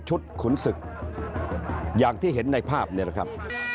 ขุนศึกอย่างที่เห็นในภาพนี่แหละครับ